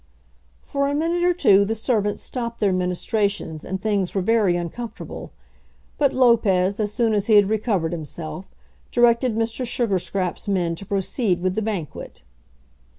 For a minute or two the servants stopped their ministrations, and things were very uncomfortable; but Lopez, as soon as he had recovered himself, directed Mr. Sugarscraps' men to proceed with the banquet.